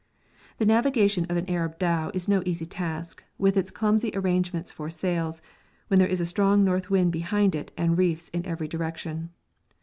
The navigation of an Arab dhow is no easy task, with its clumsy arrangements for sails, when there is a strong north wind behind it and reefs in every direction.